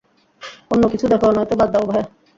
অন্য কিছু দেখো নয়তো বাদ দাও, ভায়া।